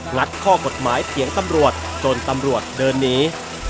ัดข้อกฎหมายเถียงตำรวจจนตำรวจเดินหนี